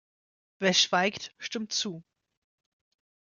Wer schweigt, stimmt zu.